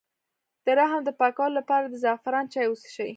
د رحم د پاکوالي لپاره د زعفران چای وڅښئ